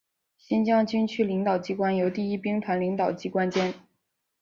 新疆军区领导机关由第一兵团领导机关兼。